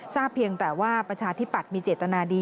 เพียงแต่ว่าประชาธิปัตย์มีเจตนาดี